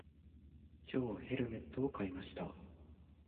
今日、ヘルメットを買いました。